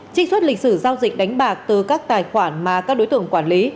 trích xuất lịch sử giao dịch đánh bạc từ các tài khoản mà các đối tượng quản lý